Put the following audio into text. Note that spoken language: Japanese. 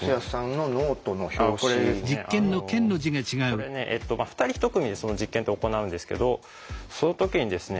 これねえっと２人１組で実験って行うんですけどその時にですね